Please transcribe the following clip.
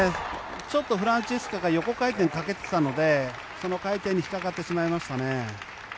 ちょっとフランツィスカが横回転をかけてたのでその回転に引っかかってしまいましたね。